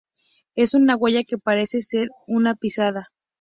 Es una huella, que parece ser una pisada.